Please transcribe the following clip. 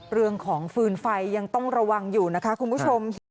เรื่องของฟืนไฟยังต้องระวังอยู่นะคะคุณผู้ชม